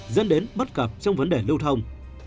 dẫn đến bất cập trong vấn đề lưu thông